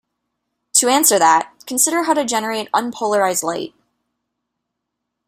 To answer that, consider how to generate unpolarized light.